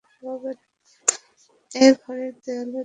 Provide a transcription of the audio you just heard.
এটি ঘরের দেয়ালের দাগ সহজেই মুছে ফেলার পাশাপাশি দীর্ঘদিন সুরক্ষিত রাখবে।